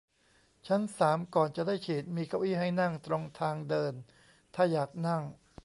ชั้นสามก่อนจะได้ฉีดมีเก้าอี้ให้นั่งตรงทางเดิน ถ้าอยากนั่ง